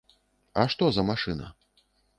А што за машына?